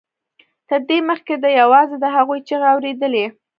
تر دې مخکې ده یوازې د هغوی چیغې اورېدلې